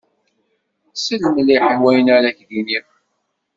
Sel mliḥ i wayen ara ak-d-iniɣ.